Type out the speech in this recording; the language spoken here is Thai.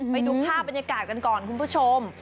ไปดูภาพบรรยากาศกันก่อนคุณผู้ชม